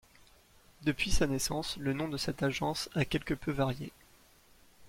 Depuis sa naissance le nom de cette agence a quelque peu varié.